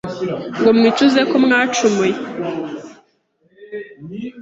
Ngo mwicuze ko mwacumuye?